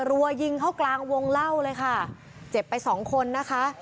รัวยิงเข้ากลางวงเล่าเลยค่ะเจ็บไปสองคนนะคะ